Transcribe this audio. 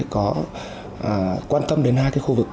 có quan tâm đến hai khu vực